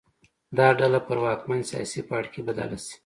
دا ډله پر واکمن سیاسي پاړکي بدله شي.